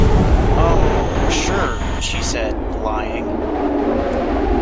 Um... sure, she said, lying.